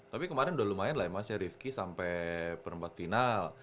tapi kemarin udah lumayan lah i mas ya rifqi sampe penebat final